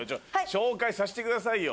紹介させてくださいよ。